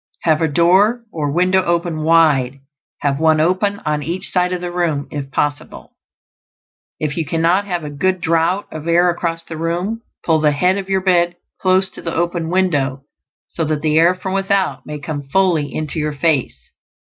Have a door or window open wide; have one open on each side of the room, if possible. If you cannot have a good draught of air across the room, pull the head of your bed close to the open window, so that the air from without may come fully into your face.